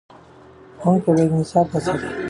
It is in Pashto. ښوونکي باید انصاف وساتي.